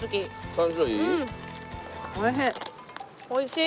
おいしい！